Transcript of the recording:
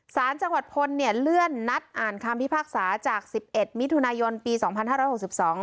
สารจังหวัดพลเนี่ยเลื่อนนัดอ่านคำพิพากษาจากสิบเอ็ดมิถุนายนปีสองพันห้าร้อยหกสิบสอง